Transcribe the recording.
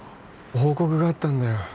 報告があったんだよ